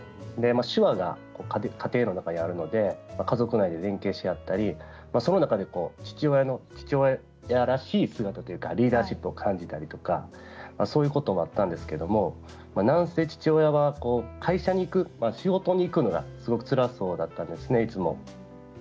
手話が家庭の中にあるので家族内で連携し合ったりそんな中で父親らしい姿というかリーダーシップを感じたりとかそういうこともあったんですけどなんせ父親は会社に行く、仕事に行くのがすごくつらそうだったんですねいつも。